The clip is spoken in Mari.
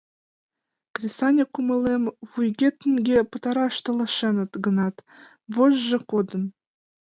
Кресаньык кумылем вуйге-тӱҥге пытараш толашеныт гынат, вожшо кодын.